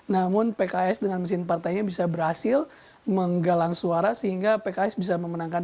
namun pks dengan mesin partainya bisa berhasil menggalang suara sehingga pks bisa memenangkan